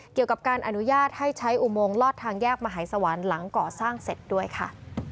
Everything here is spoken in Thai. เกี่ยวกับการอนุญาตให้ใช้อุโมงลอดทางแยกมหายสวรรค์หลังก่อสร้างเสร็จด้วยค่ะ